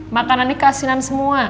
makanan ini keasinan semua